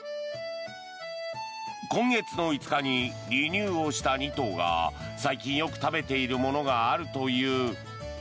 今月の５日に離乳をした２頭が最近、よく食べているものがあるという。